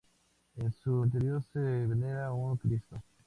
En su interior se venera un Cristo.